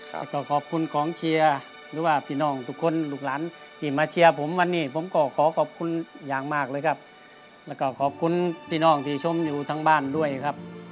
แล้วก็ขอบคุณกองเชียร์หรือว่าพี่น้องทุกคนลูกหลานที่มาเชียร์ผมวันนี้ผมก็ขอขอบคุณอย่างมากเลยครับแล้วก็ขอบคุณพี่น้องที่ชมอยู่ทั้งบ้านด้วยครับ